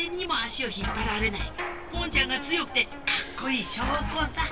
ポンちゃんが強くてかっこいいしょうこさ。